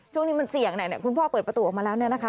ช่วงนี้มันเสี่ยงคุณพ่อเปิดประตูออกมาแล้วเนี่ยนะคะ